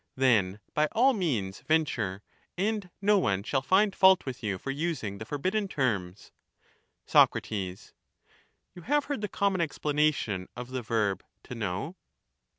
Theaet, Then by all means venture, and no one shall find Stuiwehad fault with you for using the forbidden terms. Sac, You have heard the common explanation of the verb ' to know